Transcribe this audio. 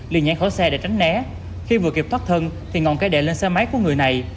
liền nhảy khỏi xe để tránh né khi vừa kịp thoát thân thì ngọn cây đệ lên xe máy của người này